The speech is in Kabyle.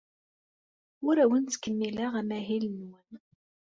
Ur awen-ttkemmileɣ ara amahil-nwen.